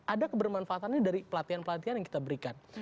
ada kebermanfaatannya dari pelatihan pelatihan yang kita berikan